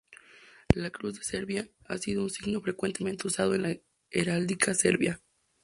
La cruz de Serbia ha sido un signo frecuentemente usado en la heráldica serbia.